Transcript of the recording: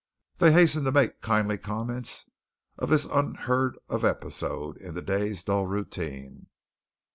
They hastened to make kindly comments on this unheard of episode in the day's dull routine.